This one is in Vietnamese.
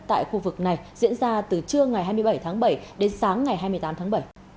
tại khu vực này diễn ra từ trưa ngày hai mươi bảy tháng bảy đến sáng ngày hai mươi tám tháng bảy